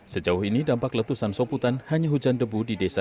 sejauh ini dampak letusan soputan hanya hujan debu di desa